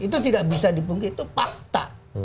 itu tidak bisa dipungki itu fakta